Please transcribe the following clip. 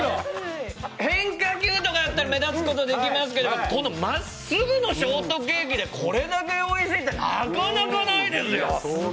変化球とかだったら目立つことできますけどこのまっすぐのショートケーキでこれだけおいしいってなかなかないですよ。